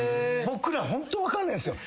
僕らホント分かんないんすよ。